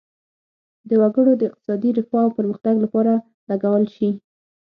د وګړو د اقتصادي رفاه او پرمختګ لپاره لګول شي.